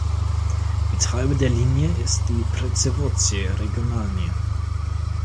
Betreiber der Linie ist die Przewozy Regionalne.